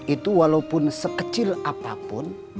itu walaupun sekecil apapun